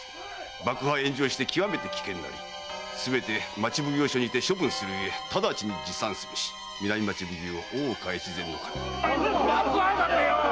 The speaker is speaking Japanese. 「爆破炎上してきわめて危険なりすべて町奉行所で処分するゆえただちに持参すべし南町奉行・大岡越前守」